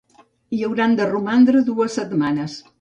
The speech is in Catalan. Hi hauran de romandre dues setmanes.